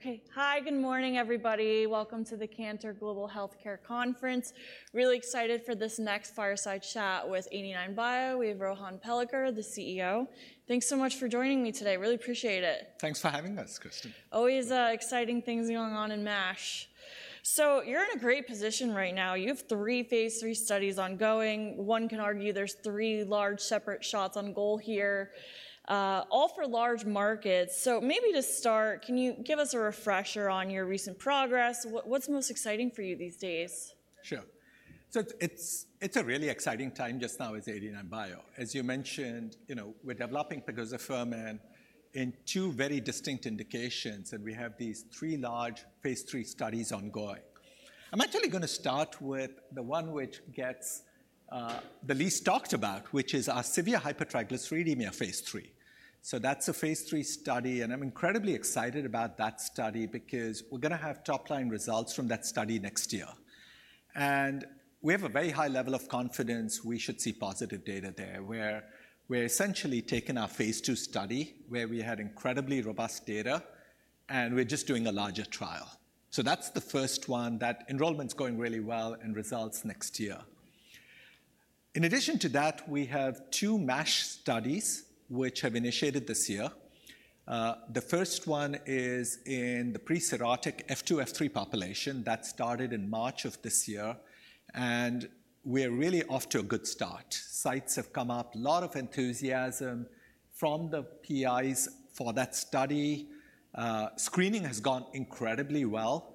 Okay. Hi, good morning, everybody. Welcome to the Cantor Global Healthcare Conference. Really excited for this next fireside chat with 89bio. We have Rohan Palekar, the CEO. Thanks so much for joining me today. Really appreciate it. Thanks for having us, Kristen. Always, exciting things going on in MASH. So you're in a great position right now. You have three phase III studies ongoing. One can argue there's three large separate shots on goal here, all for large markets. So maybe to start, can you give us a refresher on your recent progress? What's most exciting for you these days? Sure. So it's a really exciting time just now with 89bio. As you mentioned, you know, we're developing pegozafermin in two very distinct indications, and we have these three large phase III studies ongoing. I'm actually going to start with the one which gets the least talked about, which is our severe hypertriglyceridemia phase III. So that's a phase III study, and I'm incredibly excited about that study because we're going to have top-line results from that study next year. And we have a very high level of confidence we should see positive data there, where we're essentially taking our phase II study, where we had incredibly robust data, and we're just doing a larger trial. So that's the first one. That enrollment's going really well and results next year. In addition to that, we have two MASH studies which have initiated this year. The first one is in the pre-cirrhotic F2-F3 population. That started in March of this year, and we're really off to a good start. Sites have come up, lot of enthusiasm from the PIs for that study. Screening has gone incredibly well,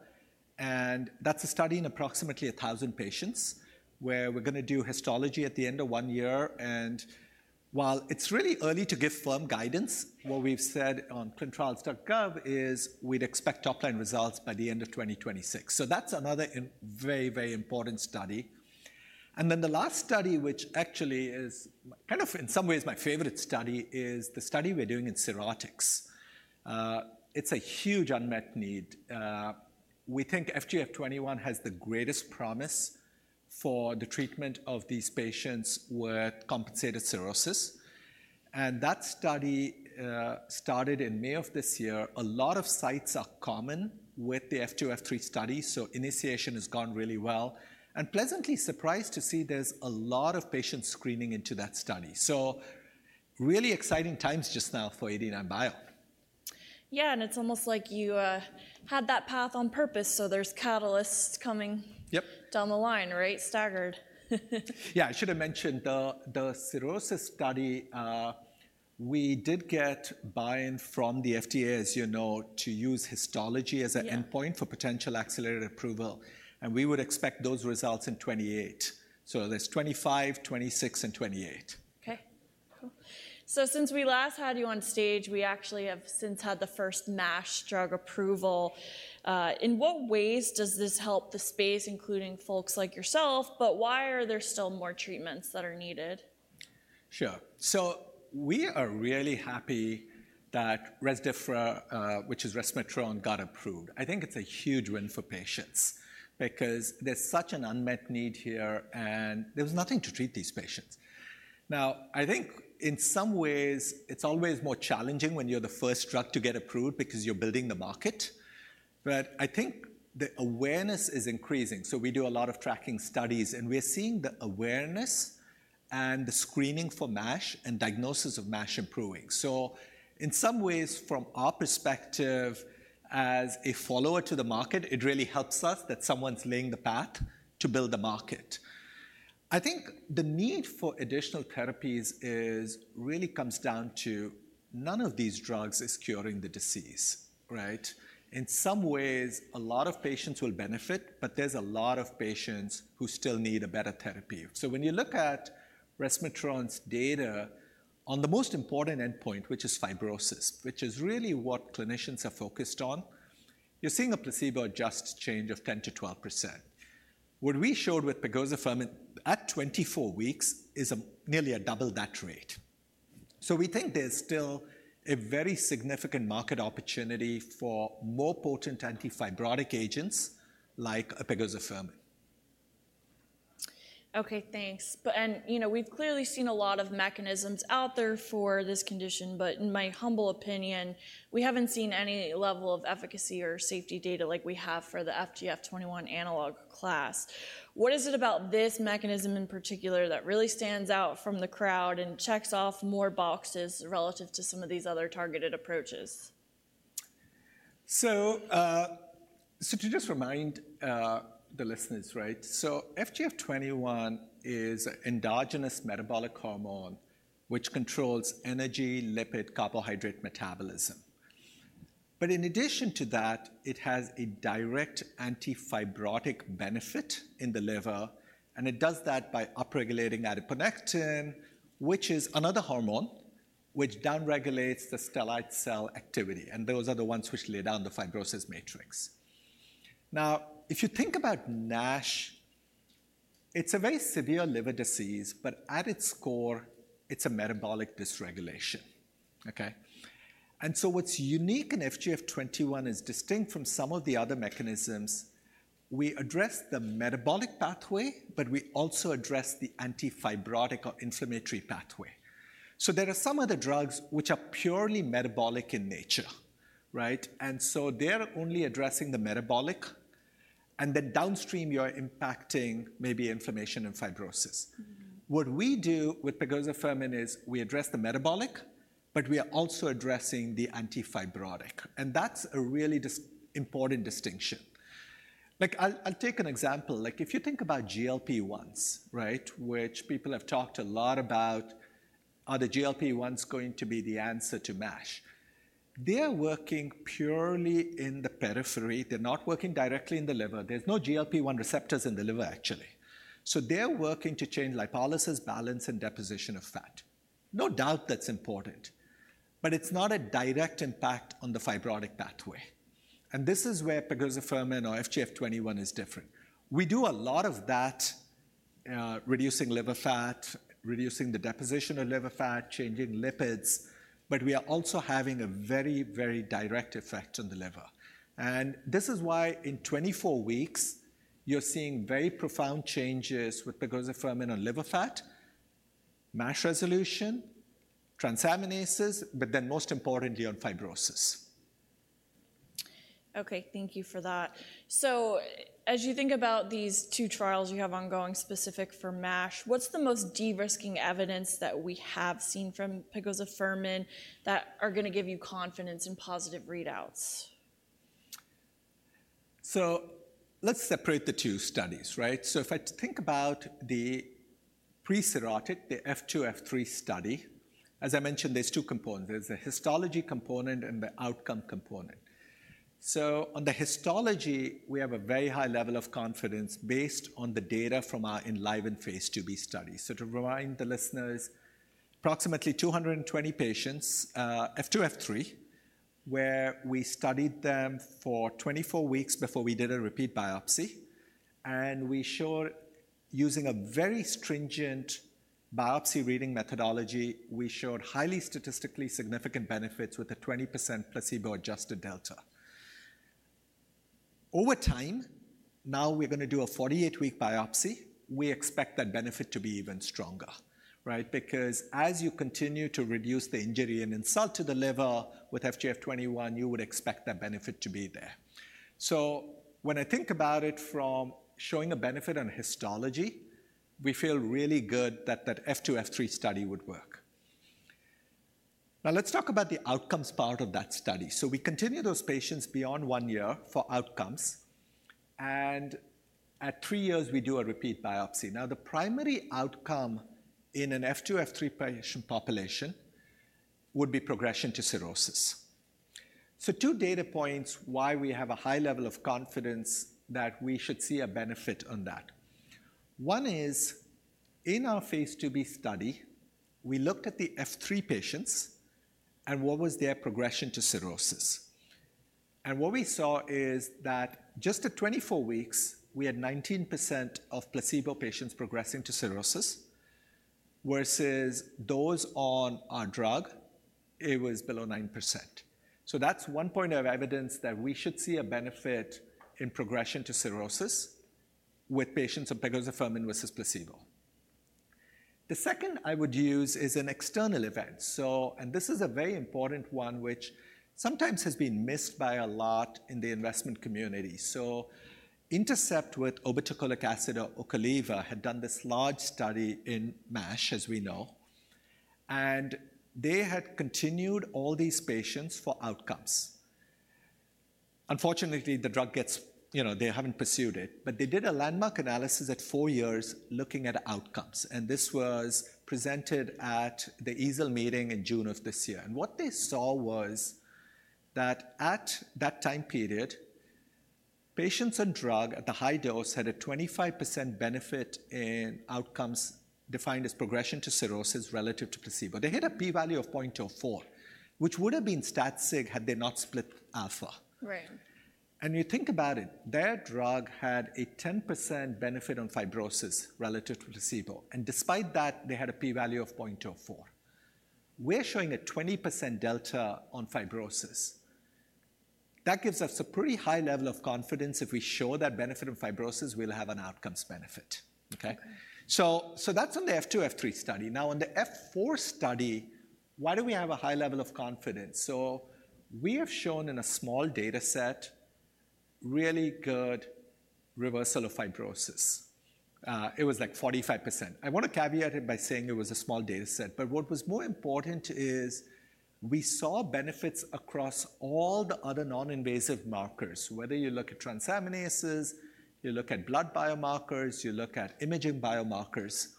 and that's a study in approximately a thousand patients, where we're going to do histology at the end of one year, and while it's really early to give firm guidance, what we've said on ClinicalTrials.gov is we'd expect top-line results by the end of 2026, so that's another very, very important study, and then the last study, which actually is kind of, in some ways, my favorite study, is the study we're doing in cirrhotics. It's a huge unmet need. We think FGF21 has the greatest promise for the treatment of these patients with compensated cirrhosis, and that study started in May of this year. A lot of sites are common with the F2-F3 study, so initiation has gone really well. I'm pleasantly surprised to see there's a lot of patient screening into that study, so really exciting times just now for 89bio. Yeah, and it's almost like you had that path on purpose, so there's catalysts coming. Yep. Down the line, right? Staggered. Yeah, I should have mentioned the cirrhosis study, we did get buy-in from the FDA, as you know, to use histology as an endpoint for potential accelerated approval, and we would expect those results in 2028. So theres 2025, 2026, and 2028. Okay, cool. So since we last had you on stage, we actually have since had the first MASH drug approval. In what ways does this help the space, including folks like yourself, but why are there still more treatments that are needed? Sure. So we are really happy that Rezdiffra, which is resmetirom, got approved. I think it's a huge win for patients because there's such an unmet need here, and there was nothing to treat these patients. Now, I think in some ways, it's always more challenging when you're the first drug to get approved because you're building the market. But I think the awareness is increasing, so we do a lot of tracking studies, and we're seeing the awareness and the screening for MASH and diagnosis of MASH improving. So in some ways, from our perspective as a follower to the market, it really helps us that someone's laying the path to build the market. I think the need for additional therapies is, really comes down to none of these drugs is curing the disease, right? In some ways, a lot of patients will benefit, but there's a lot of patients who still need a better therapy. When you look at resmetirom's data on the most important endpoint, which is fibrosis, which is really what clinicians are focused on, you're seeing a placebo-adjusted change of 10%-12%. What we showed with pegozafermin at 24 weeks is nearly a double that rate. We think there's still a very significant market opportunity for more potent antifibrotic agents like pegozafermin. Okay, thanks. You know, we've clearly seen a lot of mechanisms out there for this condition, but in my humble opinion, we haven't seen any level of efficacy or safety data like we have for the FGF21 analog class. What is it about this mechanism in particular that really stands out from the crowd and checks off more boxes relative to some of these other targeted approaches? So, to just remind the listeners, right? So FGF21 is an endogenous metabolic hormone which controls energy, lipid, carbohydrate metabolism. But in addition to that, it has a direct antifibrotic benefit in the liver, and it does that by upregulating adiponectin, which is another hormone which downregulates the stellate cell activity, and those are the ones which lay down the fibrosis matrix. Now, if you think about NASH, it's a very severe liver disease, but at its core, it's a metabolic dysregulation, okay? And so what's unique in FGF21 is distinct from some of the other mechanisms we address the metabolic pathway, but we also address the antifibrotic or inflammatory pathway. So there are some other drugs which are purely metabolic in nature, right? And so they are only addressing the metabolic, and then downstream, you are impacting maybe inflammation and fibrosis. What we do with pegozafermin is we address the metabolic, but we are also addressing the antifibrotic, and that's a really distinct important distinction. Like I'll take an example. Like if you think about GLP-1s, right, which people have talked a lot about, are the GLP-1s going to be the answer to MASH? They are working purely in the periphery. They're not working directly in the liver. There's no GLP-1 receptors in the liver, actually. So they're working to change lipolysis, balance, and deposition of fat. No doubt that's important, but it's not a direct impact on the fibrotic pathway. And this is where pegozafermin or FGF21 is different. We do a lot of that, reducing liver fat, reducing the deposition of liver fat, changing lipids, but we are also having a very, very direct effect on the liver. This is why in 24 weeks, you're seeing very profound changes with pegozafermin on liver fat, MASH resolution, transaminases, but then most importantly, on fibrosis. Okay, thank you for that. So as you think about these two trials you have ongoing specific for MASH, what's the most de-risking evidence that we have seen from pegozafermin that are going to give you confidence in positive readouts? So let's separate the two studies, right? So if I think about the pre-cirrhotic, the F2-F3 study, as I mentioned, there's two components. There's a histology component and the outcome component. So on the histology, we have a very high level of confidence based on the data from our ENLIVEN phase II-B study. So to remind the listeners, approximately 220 patients, F2-F3, where we studied them for 24 weeks before we did a repeat biopsy, and we showed, using a very stringent biopsy reading methodology, we showed highly statistically significant benefits with a 20% placebo-adjusted delta. Over time, now we're going to do a 48-week biopsy. We expect that benefit to be even stronger, right? Because as you continue to reduce the injury and insult to the liver with FGF21, you would expect that benefit to be there. So when I think about it from showing a benefit on histology, we feel really good that that F2-F3 study would work. Now, let's talk about the outcomes part of that study. So we continue those patients beyond one year for outcomes, and at three years, we do a repeat biopsy. Now, the primary outcome in an F2-F3 patient population would be progression to cirrhosis. So two data points why we have a high level of confidence that we should see a benefit on that. One is, in our phase II-B study, we looked at the F3 patients and what was their progression to cirrhosis. And what we saw is that just at 24 weeks, we had 19% of placebo patients progressing to cirrhosis, versus those on our drug, it was below 9%. So that's one point of evidence that we should see a benefit in progression to cirrhosis with patients on pegozafermin versus placebo. The second I would use is an external event. And this is a very important one, which sometimes has been missed by a lot in the investment community. So Intercept with obeticholic acid or Ocaliva had done this large study in MASH, as we know, and they had continued all these patients for outcomes. Unfortunately, the drug gets, you know, they haven't pursued it, but they did a landmark analysis at four years looking at outcomes, and this was presented at the EASL meeting in June of this year. And what they saw was that at that time period, patients on drug at the high dose had a 25% benefit in outcomes defined as progression to cirrhosis relative to placebo. They hit a P value of 0.04, which would have been stat sig had they not split alpha. Right. And you think about it, their drug had a 10% benefit on fibrosis relative to placebo, and despite that, they had a P value of 0.04. We're showing a 20% delta on fibrosis. That gives us a pretty high level of confidence if we show that benefit of fibrosis, we'll have an outcomes benefit, okay? So that's on the F2-F3 study. Now, on the F4 study, why do we have a high level of confidence? So we have shown in a small data set, really good reversal of fibrosis. It was like 45%. I want to caveat it by saying it was a small data set, but what was more important is we saw benefits across all the other non-invasive markers, whether you look at transaminases, you look at blood biomarkers, you look at imaging biomarkers.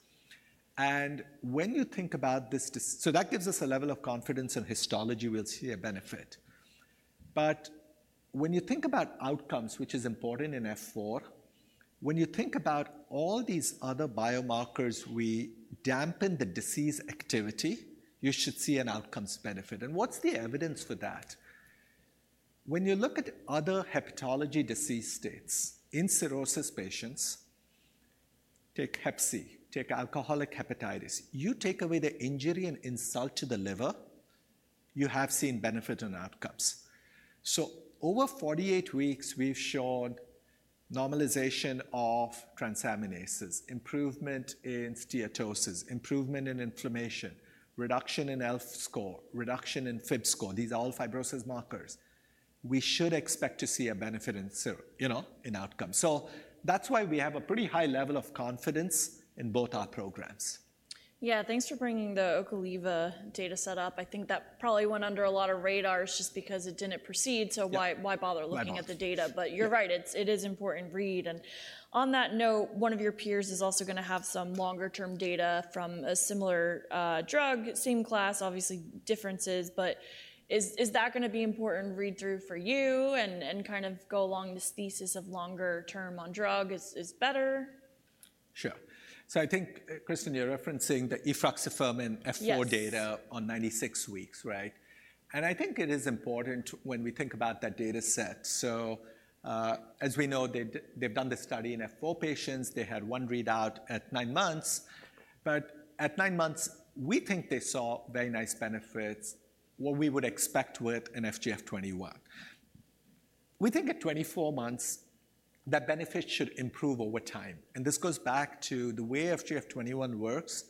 And when you think about this. So that gives us a level of confidence in histology, we'll see a benefit. But when you think about outcomes, which is important in F4, when you think about all these other biomarkers, we dampen the disease activity, you should see an outcomes benefit. And what's the evidence for that? When you look at other hepatology disease states in cirrhosis patients. Take Hep C, take alcoholic hepatitis. You take away the injury and insult to the liver, you have seen benefit in outcomes. So over 48 weeks, we've shown normalization of transaminases, improvement in steatosis, improvement in inflammation, reduction in ELF score, reduction in FIB-4 score. These are all fibrosis markers. We should expect to see a benefit in cirrhosis, you know, in outcome. So that's why we have a pretty high level of confidence in both our programs. Yeah, thanks for bringing the Ocaliva data set up. I think that probably went under a lot of radars just because it didn't proceed, so why. Yeah. Why bother looking at the data? Why bother? But you're right, it's important readout, and on that note, one of your peers is also gonna have some longer-term data from a similar drug, same class, obviously differences, but is that gonna be important read-through for you and kind of go along this thesis of longer-term on drug is better? Sure. So I think, Kristen, you're referencing the efruxifermin. Yes F4 data on 96 weeks, right? And I think it is important when we think about that data set. So, as we know, they've done this study in F4 patients. They had one readout at nine months. But at nine months, we think they saw very nice benefits, what we would expect with an FGF21. We think at 24 months, that benefit should improve over time. And this goes back to the way FGF21 works.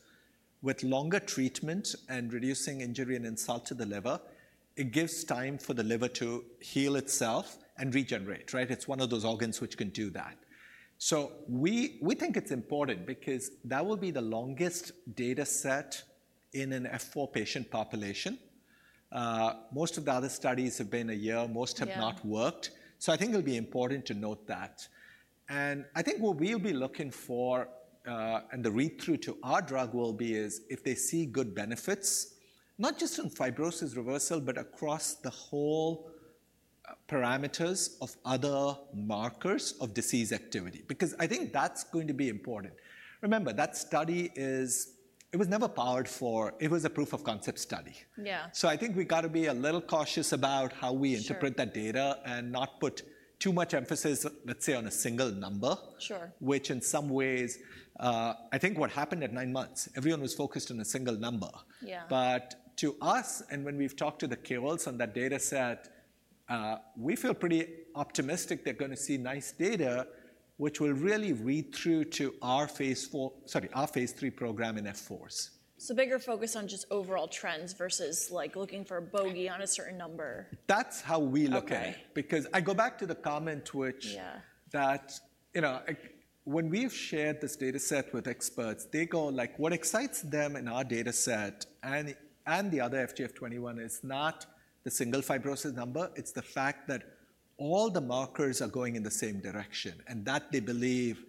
With longer treatment and reducing injury and insult to the liver, it gives time for the liver to heal itself and regenerate, right? It's one of those organs which can do that. So we think it's important because that will be the longest data set in an F4 patient population. Most of the other studies have been a year, most. Have not worked. So I think it'll be important to note that. And I think what we'll be looking for, and the read-through to our drug will be, if they see good benefits, not just in fibrosis reversal, but across the whole parameters of other markers of disease activity. Because I think that's going to be important. Remember, that study is. It was never powered for, it was a proof of concept study. Yeah. So I think we gotta be a little cautious about how we Sure Interpret that data and not put too much emphasis, let's say, on a single number. Sure. Which in some ways, I think what happened at nine months, everyone was focused on a single number. Yeah. To us, and when we've talked to the KOLs on that data set, we feel pretty optimistic they're gonna see nice data, which will really read through to our phase IV, sorry, our phase III program in F4s. Bigger focus on just overall trends versus, like, looking for a bogey on a certain number. That's how we look at it. Okay. Because I go back to the comment which Yeah That, you know, like when we've shared this data set with experts, they go, like, what excites them in our data set and the other FGF21 is not the single fibrosis number. It's the fact that all the markers are going in the same direction, and that they believe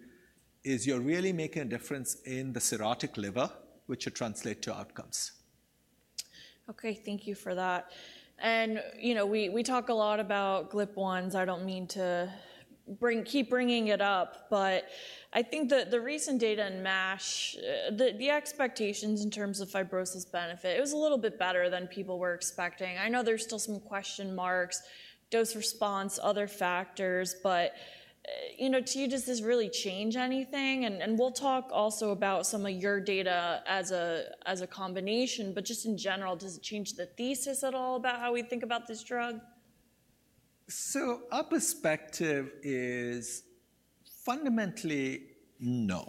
is, you're really making a difference in the cirrhotic liver, which should translate to outcomes. Okay, thank you for that. And, you know, we talk a lot about GLP-1s. I don't mean to bring, keep bringing it up, but I think that the recent data in MASH, the expectations in terms of fibrosis benefit, it was a little bit better than people were expecting. I know there's still some question marks, dose response, other factors, but, you know, to you, does this really change anything? And, and we'll talk also about some of your data as a, as a combination, but just in general, does it change the thesis at all about how we think about this drug? Our perspective is fundamentally no.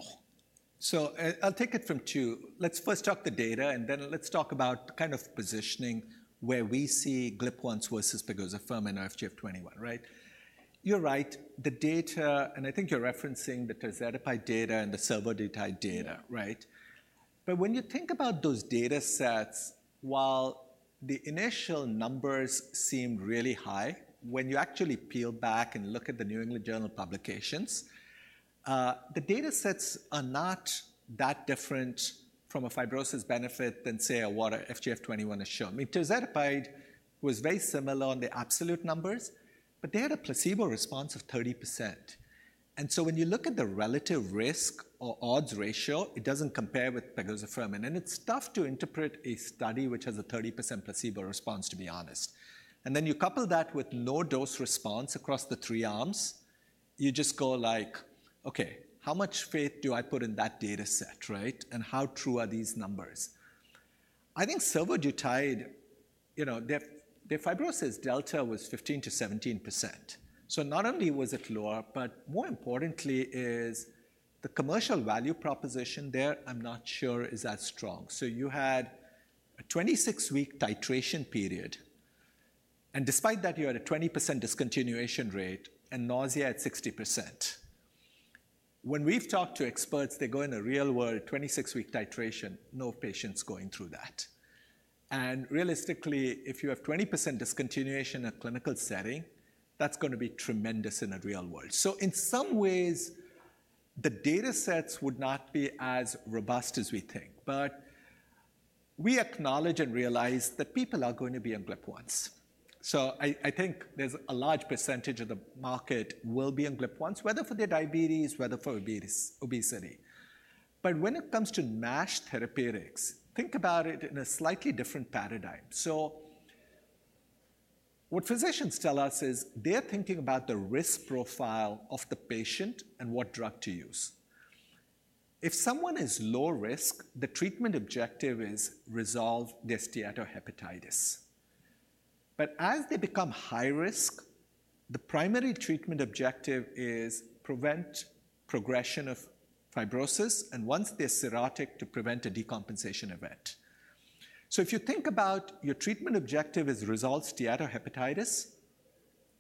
I'll take it from two. Let's first talk the data, and then let's talk about kind of positioning where we see GLP-1s versus pegozafermin and FGF21, right? You're right, the data, and I think you're referencing the tirzepatide data and the survodutide data, right? But when you think about those data sets, while the initial numbers seem really high, when you actually peel back and look at the New England Journal publications, the data sets are not that different from a fibrosis benefit than, say, what a FGF21 has shown. I mean, tirzepatide was very similar on the absolute numbers, but they had a placebo response of 30%. And so when you look at the relative risk or odds ratio, it doesn't compare with pegozafermin, and it's tough to interpret a study which has a 30% placebo response, to be honest. And then you couple that with no dose response across the three arms, you just go like: Okay, how much faith do I put in that data set, right? And how true are these numbers? I think survodutide, you know, their fibrosis delta was 15%-17%. Not only was it lower, but more importantly is the commercial value proposition there. I'm not sure is that strong. You had a 26-week titration period, and despite that, you had a 20% discontinuation rate and nausea at 60%. When we've talked to experts, they go, "In the real world, 26-week titration, no patient's going through that." And realistically, if you have 20% discontinuation in a clinical setting, that's gonna be tremendous in the real world. In some ways, the data sets would not be as robust as we think. But we acknowledge and realize that people are going to be on GLP-1s. I think there's a large percentage of the market will be on GLP-1s, whether for their diabetes, whether for obesity. But when it comes to MASH therapeutics, think about it in a slightly different paradigm. So on. What physicians tell us is they're thinking about the risk profile of the patient and what drug to use. If someone is low risk, the treatment objective is resolve the steatohepatitis, but as they become high risk, the primary treatment objective is prevent progression of fibrosis, and once they're cirrhotic, to prevent a decompensation event, so if you think about your treatment objective as resolve steatohepatitis,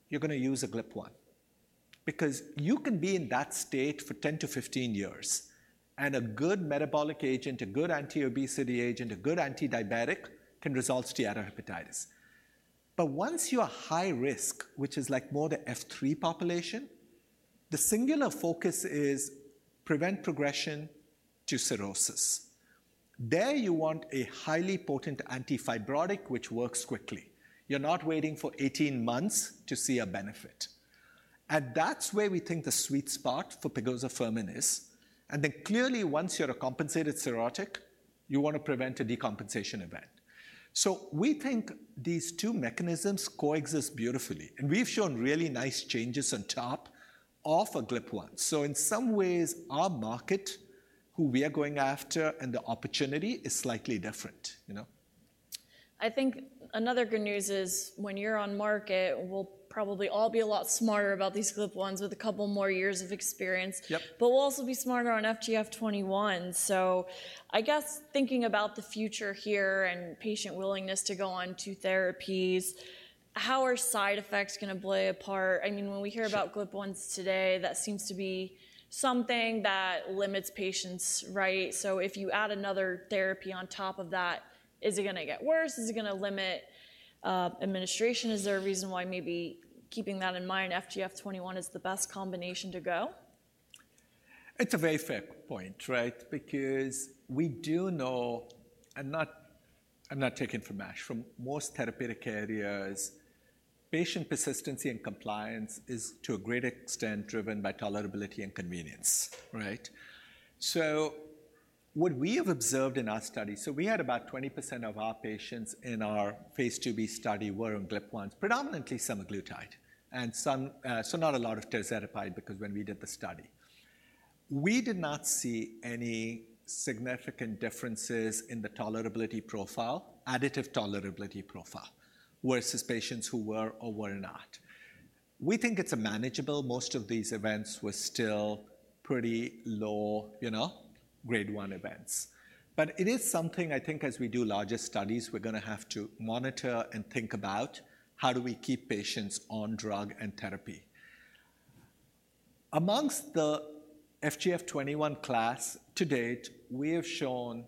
you're gonna use a GLP-1, because you can be in that state for 10-15 years, and a good metabolic agent, a good anti-obesity agent, a good antidiabetic, can resolve steatohepatitis, but once you are high risk, which is like more the F3 population, the singular focus is prevent progression to cirrhosis. There you want a highly potent anti-fibrotic, which works quickly. You're not waiting for 18 months to see a benefit, and that's where we think the sweet spot for pegozafermin is. And then clearly, once you're a compensated cirrhotic, you want to prevent a decompensation event. So we think these two mechanisms coexist beautifully, and we've shown really nice changes on top of a GLP-1. So in some ways, our market, who we are going after, and the opportunity is slightly different, you know? I think another good news is when you're on market, we'll probably all be a lot smarter about these GLP-1s with a couple more years of experience. Yep. But we'll also be smarter on FGF21. So I guess thinking about the future here and patient willingness to go on two therapies, how are side effects gonna play a part? I mean, when we hear about- GLP-1s today, that seems to be something that limits patients, right? So if you add another therapy on top of that, is it gonna get worse? Is it gonna limit administration? Is there a reason why maybe keeping that in mind, FGF21 is the best combination to go? It's a very fair point, right? Because we do know, and not, I'm not taking from MASH, from most therapeutic areas, patient persistency and compliance is to a great extent driven by tolerability and convenience, right? So what we have observed in our study. So we had about 20% of our patients in our phase IIb study were on GLP-1, predominantly semaglutide, and some, so not a lot of tirzepatide because when we did the study. We did not see any significant differences in the tolerability profile, additive tolerability profile, versus patients who were or were not. We think it's manageable. Most of these events were still pretty low, you know, grade one events. But it is something I think as we do larger studies, we're gonna have to monitor and think about how do we keep patients on drug and therapy. Among the FGF21 class to date, we have shown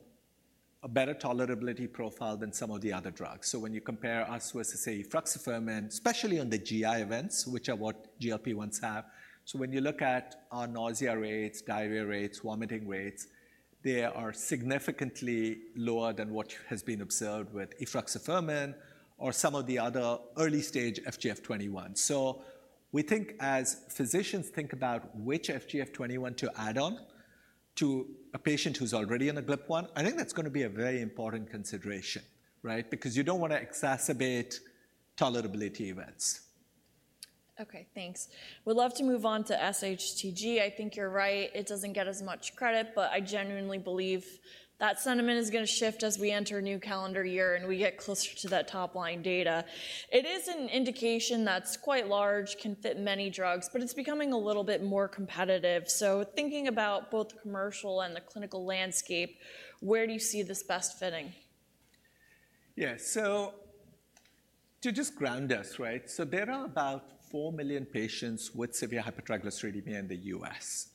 a better tolerability profile than some of the other drugs. So when you compare us versus, say, efruxifermin, especially on the GI events, which are what GLP-1s have. So when you look at our nausea rates, diarrhea rates, vomiting rates, they are significantly lower than what has been observed with efruxifermin or some of the other early-stage FGF21. So we think as physicians think about which FGF21 to add on to a patient who's already on a GLP-1, I think that's gonna be a very important consideration, right? Because you don't want to exacerbate tolerability events. Okay, thanks. We'd love to move on to SHTG. I think you're right. It doesn't get as much credit, but I genuinely believe that sentiment is gonna shift as we enter a new calendar year and we get closer to that top-line data. It is an indication that's quite large, can fit many drugs, but it's becoming a little bit more competitive. So thinking about both the commercial and the clinical landscape, where do you see this best fitting? Yeah. So to just ground us, right? So there are about 4 million patients with severe hypertriglyceridemia in the U.S.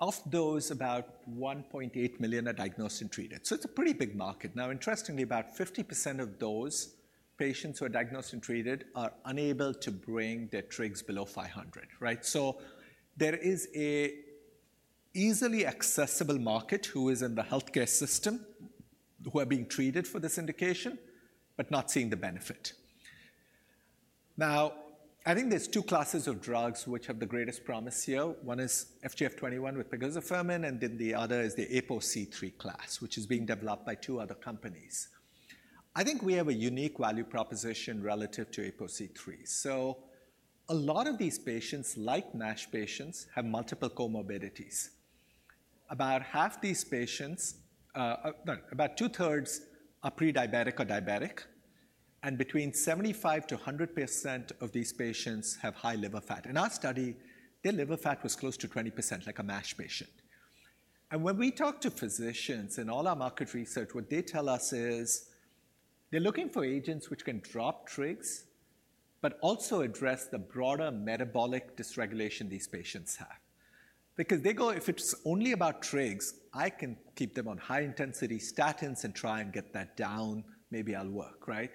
Of those, about 1.8 million are diagnosed and treated. So it's a pretty big market. Now, interestingly, about 50% of those patients who are diagnosed and treated are unable to bring their trigs below 500, right? So there is a easily accessible market who is in the healthcare system, who are being treated for this indication, but not seeing the benefit. Now, I think there's two classes of drugs which have the greatest promise here. One is FGF21 with pegozafermin, and then the other is the APOC3 class, which is being developed by two other companies. I think we have a unique value proposition relative to APOC3. So a lot of these patients, like NASH patients, have multiple comorbidities. About half these patients, about two-thirds are pre-diabetic or diabetic, and between 75%-100% of these patients have high liver fat. In our study, their liver fat was close to 20%, like a MASH patient, and when we talk to physicians in all our market research, what they tell us is they're looking for agents which can drop trigs, but also address the broader metabolic dysregulation these patients have. Because they go, "If it's only about trigs, I can keep them on high-intensity statins and try and get that down. Maybe it'll work," right,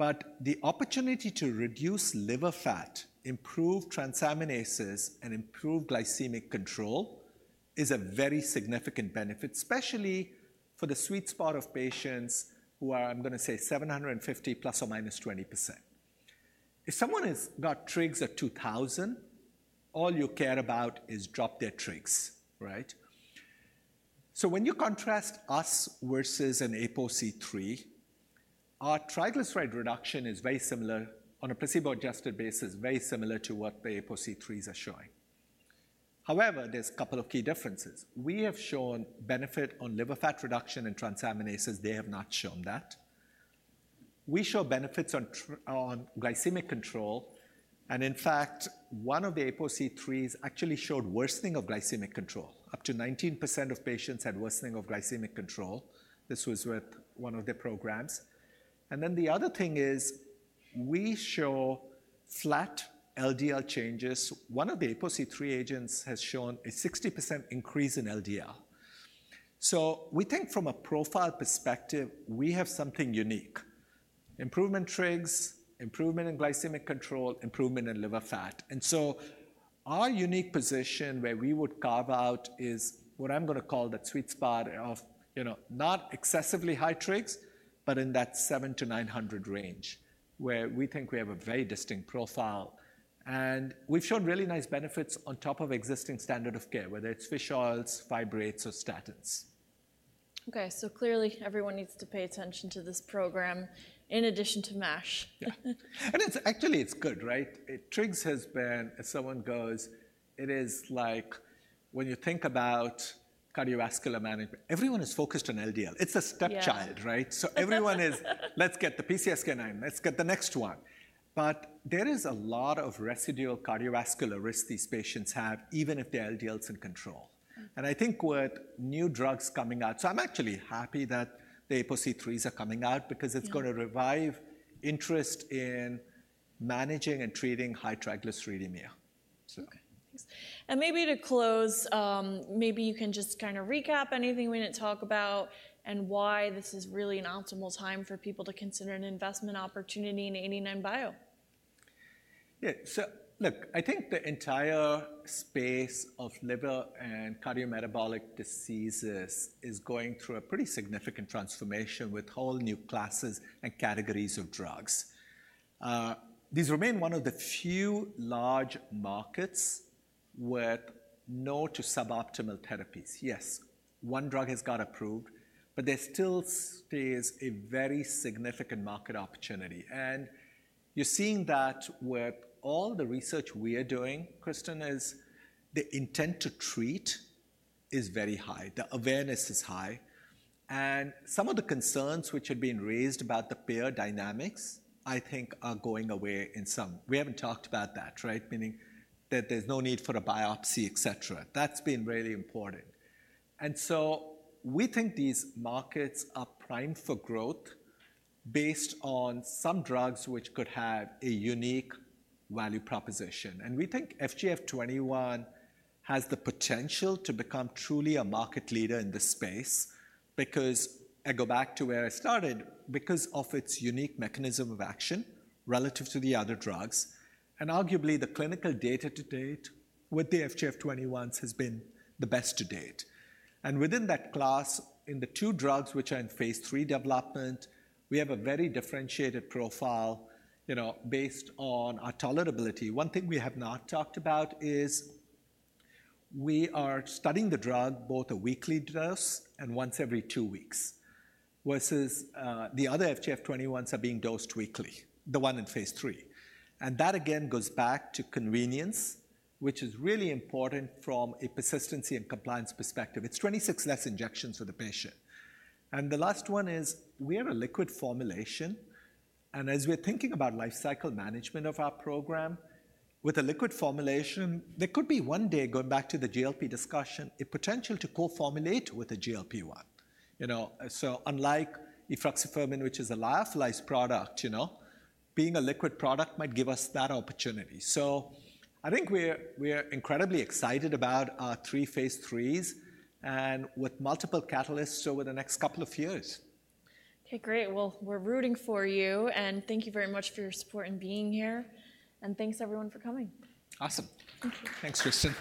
but the opportunity to reduce liver fat, improve transaminases, and improve glycemic control is a very significant benefit, especially for the sweet spot of patients who are, I'm gonna say, 750 plus or minus 20%. If someone has got trigs at two thousand, all you care about is drop their trigs, right? So when you contrast us versus an APOC3, our triglyceride reduction is very similar, on a placebo-adjusted basis, very similar to what the APOC3s are showing. However, there's a couple of key differences. We have shown benefit on liver fat reduction and transaminases, they have not shown that. We show benefits on glycemic control, and in fact, one of the APOC3s actually showed worsening of glycemic control. Up to 19% of patients had worsening of glycemic control. This was with one of their programs. And then the other thing is, we show flat LDL changes. One of the APOC3 agents has shown a 60% increase in LDL. So we think from a profile perspective, we have something unique. Improvement in trigs, improvement in glycemic control, improvement in liver fat. And so our unique position where we would carve out is what I'm gonna call the sweet spot of, you know, not excessively high trigs, but in that 700 to 900 hundred range, where we think we have a very distinct profile. And we've shown really nice benefits on top of existing standard of care, whether it's fish oils, fibrates, or statins. Okay, so clearly everyone needs to pay attention to this program in addition to MASH. Yeah. And it's, actually, it's good, right? Trigs has been, as the saying goes, it is like when you think about cardiovascular management, everyone is focused on LDL. It's a stepchild, right? Yeah. So everyone is, "Let's get the PCSK9, let's get the next one." But there is a lot of residual cardiovascular risk these patients have, even if their LDL is in control. And I think with new drugs coming out. So I'm actually happy that the APOC3s are coming out. Because it's gonna revive interest in managing and treating hypertriglyceridemia. So. Okay, thanks. And maybe to close, maybe you can just kind of recap anything we didn't talk about and why this is really an optimal time for people to consider an investment opportunity in 89bio. Yeah. So look, I think the entire space of liver and cardiometabolic diseases is going through a pretty significant transformation with whole new classes and categories of drugs. These remain one of the few large markets with no to suboptimal therapies. Yes, one drug has got approved, but there still stays a very significant market opportunity. And you're seeing that with all the research we are doing, Kristen, is the intent to treat is very high, the awareness is high, and some of the concerns which had been raised about the payer dynamics, I think are going away in some. We haven't talked about that, right? Meaning that there's no need for a biopsy, et cetera. That's been really important. And so we think these markets are primed for growth based on some drugs which could have a unique value proposition. We think FGF21 has the potential to become truly a market leader in this space because, I go back to where I started, because of its unique mechanism of action relative to the other drugs, and arguably the clinical data-to-date with the FGF21 has been the best to date. Within that class, in the two drugs which are in phase III development, we have a very differentiated profile, you know, based on our tolerability. One thing we have not talked about is we are studying the drug, both a weekly dose and once every two weeks, versus the other FGF21s are being dosed weekly, the one in phase III. That again goes back to convenience, which is really important from a persistency and compliance perspective. It's 26 less injections for the patient. The last one is, we have a liquid formulation, and as we're thinking about life cycle management of our program, with a liquid formulation, there could be one day, going back to the GLP discussion, a potential to co-formulate with a GLP-1. You know, so unlike efruxifermin, which is a lyophilized product, you know, being a liquid product might give us that opportunity. So I think we're, we're incredibly excited about our three phase III's and with multiple catalysts over the next couple of years. Okay, great. Well, we're rooting for you, and thank you very much for your support in being here, and thanks everyone for coming. Awesome. Thank you. Thanks, Kristen.